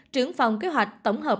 trưởng phòng kế hoạch tổng hợp